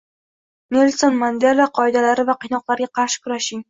Nelson Mandela qoidalari va qiynoqlarga qarshi kurashng